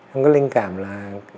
em có linh cảm là